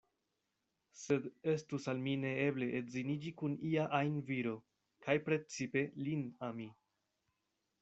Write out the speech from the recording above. Sed estus al mi neeble edziniĝi kun ia ajn viro, kaj precipe lin ami.